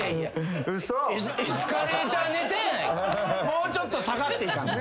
もうちょっと下がっていかんと。